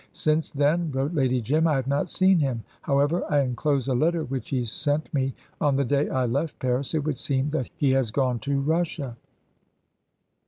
"Since then," wrote Lady Jim, "I have not seen him. However, I enclose a letter which he sent me on the day I left Paris. It would seem that he has gone to Russia."